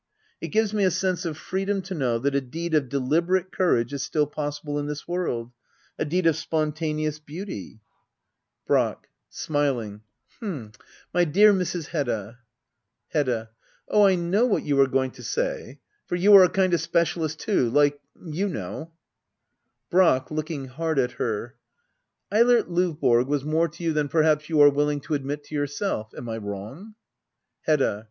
It gives me a sense of freedom to know that a deed of deliberate courage is still possible in this world, — a deed of spontaneous beauty. Digitized by Google 174 HEDDA OABLER. [aCT IV. Brack. [Smiling.] H'm — my dear Mrs. Hedda Hedda. Oh, I know what you are going to say. For you are a kind of specialist too, like — you know ! Brack. [Looking hard at her.] Eilert Lovborg was more to you than perhaps you are willing to admit to yourself. Am I wrong } Hedda.